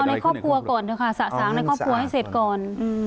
ในครอบครัวก่อนเถอะค่ะสะสางในครอบครัวให้เสร็จก่อน